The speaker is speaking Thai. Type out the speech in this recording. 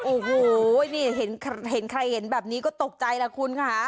โอ้โหนี่เห็นใครเห็นแบบนี้ก็ตกใจล่ะคุณค่ะ